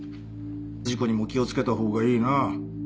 事故にも気を付けた方がいいな。